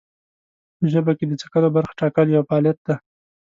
په ژبه کې د څکلو برخو ټاکل یو فعالیت دی.